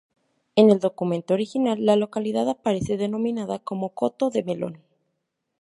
En el documento original, la localidad aparece denominada como Coto de Melón.